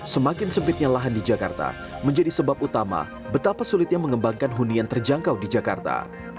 semakin sempitnya lahan di jakarta menjadi sebab utama betapa sulitnya mengembangkan hunian terjangkau di jakarta